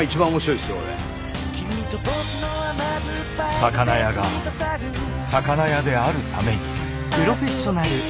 魚屋が魚屋であるために。